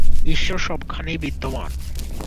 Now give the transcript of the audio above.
ঈশ্বর সবখানেই বিদ্যমান।